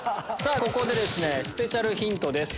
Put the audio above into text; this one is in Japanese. ここでスペシャルヒントです。